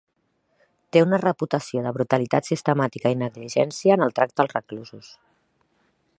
Té una reputació de brutalitat sistemàtica i negligència en el tracte als reclusos.